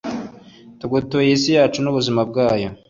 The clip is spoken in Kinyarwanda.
tugutuye iyi si yacu, n'ubuzima bwayo